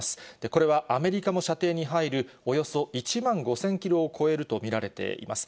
これはアメリカも射程に入るおよそ１万５０００キロを超えると見られています。